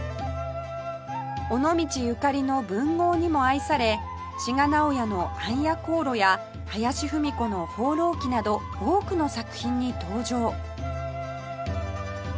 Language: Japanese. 尾道ゆかりの文豪にも愛され志賀直哉の『暗夜行路』や林芙美子の『放浪記』など多くの作品に登場